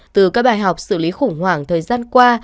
từ các bài học xử lý khủng hoảng thời gian qua